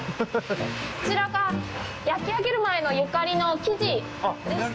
こちらが、焼き上げる前のゆかりの生地でして。